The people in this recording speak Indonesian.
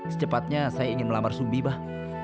secepatnya saya ingin melamar sumbi bah